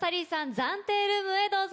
暫定ルームへどうぞ。